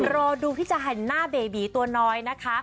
รอดูที่จะเห็นหน้าเบบีตัวน้อยนะคะ